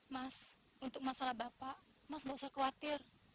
mas untuk masalah bapak mas gak usah khawatir